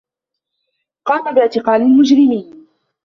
قام باعتقال المجرمين.